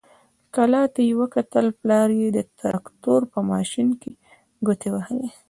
کلا ته يې وکتل، پلار يې د تراکتور په ماشين کې ګوتې وهلې.